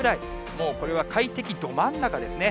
もうこれは快適ど真ん中ですね。